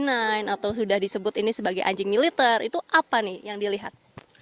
atau sudah disebut ini sebagai anjing militer itu apa nih yang dilihat